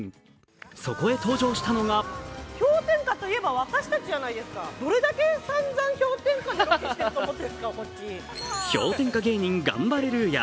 そこへ登場したのが氷点下芸人・ガンバレルーヤ。